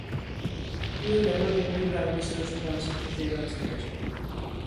He was a member of the Indian Prime Minister's Council on Trade and Industry.